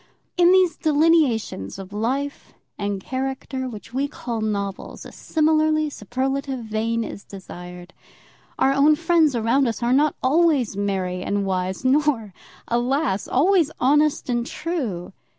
In those delineations of life and character which we call novels a similarly superlative vein is desired. Our own friends around us are not always merry and wise, nor, alas! always honest and true.